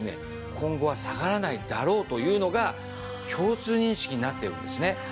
今後は下がらないだろうというのが共通認識になっているんですね。